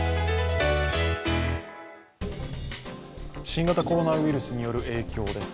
新型コロナウイルスによる影響です。